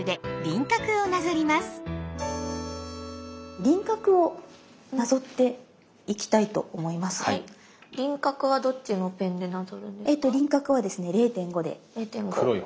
輪郭はどっちのペンでなぞるんですか？